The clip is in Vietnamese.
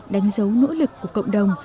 đánh dấu nỗ lực của cộng đồng